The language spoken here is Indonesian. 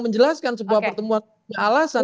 menjelaskan sebuah pertemuan alasan